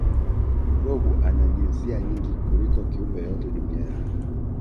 blob ana jinsia nyingi kuliko kiumbe yeyote duniani